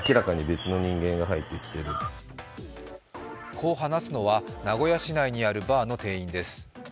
こう話すのは、名古屋市内にあるバーの店員です。